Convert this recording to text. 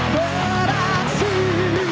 jangan ikut sendirian